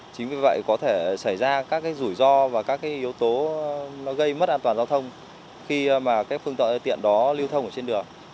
chính vì vậy có thể xảy ra các rủi ro và các yếu tố gây mất an toàn giao thông khi phương tiện đó lưu thông trên đường